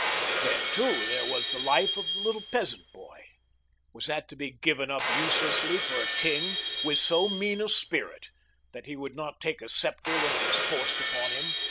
Then, too, there was the life of the little peasant boy. Was that to be given up uselessly for a king with so mean a spirit that he would not take a scepter when it was forced upon him?